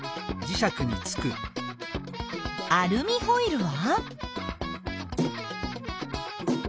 アルミホイルは？